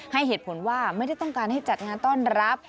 ให้เหตุผลว่าไม่ได้ต้องการให้จัดงานต้อนรับ